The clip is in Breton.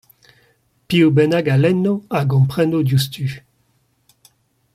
Piv bennak a lenno a gompreno diouzhtu.